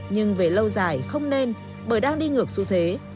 nhưng về lâu dài không nên bởi đang đi ngược xu thế